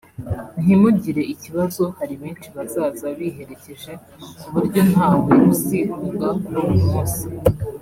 “ntimugire ikibazo hari benshi bazaza biherekeje ku buryo ntawe uzigunga kuri uwo munsi